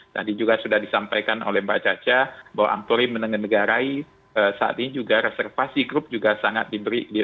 tadi juga sudah disampaikan oleh mbak caca bahwa ampuri menengah negarai saat ini juga reservasi grup juga sangat diberikan